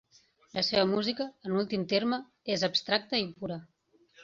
La seva música, en últim terme, és abstracta i pura.